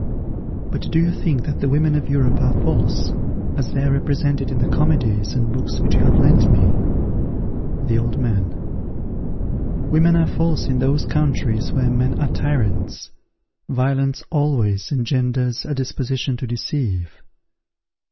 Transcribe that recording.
_ But do you think that the women of Europe are false, as they are represented in the comedies and books which you have lent me? The Old Man. Women are false in those countries where men are tyrants. Violence always engenders a disposition to deceive.